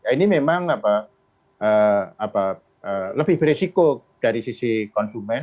ini memang lebih beresiko dari sisi konsumen